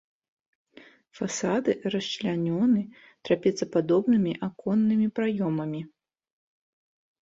Фасады расчлянёны трапецападобнымі аконнымі праёмамі.